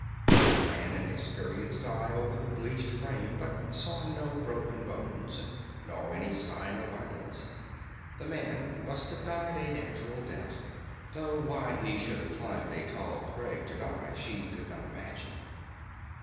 She ran an experienced eye over the bleached frame, but saw no broken bones nor any sign of violence. The man must have died a natural death; though why he should have climbed a tall crag to die she could not imagine.